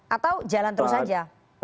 atau jalan terus saja